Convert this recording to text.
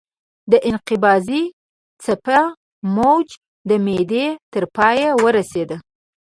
د انقباضي څپه موج د معدې تر پایه ورسېده.